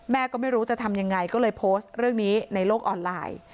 ก็ไม่รู้จะทำยังไงก็เลยโพสต์เรื่องนี้ในโลกออนไลน์